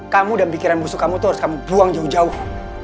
kamu dan pikiran musuh kamu tuh harus kamu buang jauh jauh